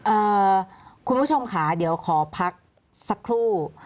คุณผู้ชมค่ะเดี๋ยวขอพักสักครู่